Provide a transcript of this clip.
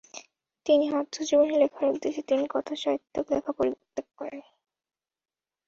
তিনি আত্মজীবনী লেখার উদ্দেশ্যে তিনি কথাসাহিত্য লেখা পরিত্যাগ করেন।